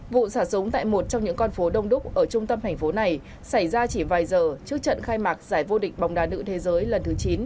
vụ xả súng tại một trong những con phố đông đúc ở trung tâm thành phố này xảy ra chỉ vài giờ trước trận khai mạc giải vô địch bóng đá nữ thế giới lần thứ chín